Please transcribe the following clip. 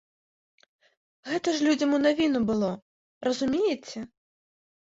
Гэта ж людзям у навіну было, разумееце?